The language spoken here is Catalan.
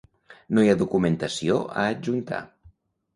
No hi ha documentació a adjuntar.